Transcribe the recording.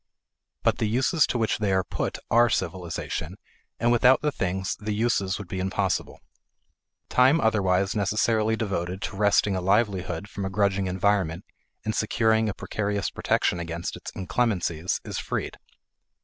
But the uses to which they are put are civilization, and without the things the uses would be impossible. Time otherwise necessarily devoted to wresting a livelihood from a grudging environment and securing a precarious protection against its inclemencies is freed.